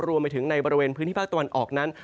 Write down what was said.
รวมไปถึงในบริเวณพื้นที่ภาคตะวันออกนั้น